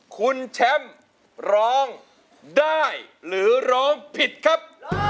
คุณแชมป์ร้องได้หรือร้องผิดครับ